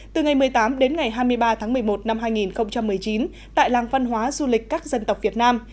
từ ngày một mươi tám đến ngày hai mươi ba tháng một mươi một năm hai nghìn một mươi chín tại làng văn hóa du lịch các dân tộc việt nam